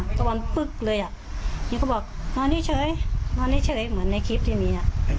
านนี่เขาบอกนอนนี่เฉยหนอนนี่เฉยเหมือนในคลิปที่มี